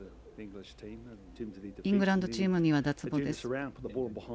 イングランドチームには脱帽です。